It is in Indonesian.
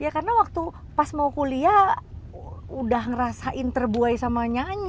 karena waktu pas mau kuliah udah ngerasain terbuai sama nyanyi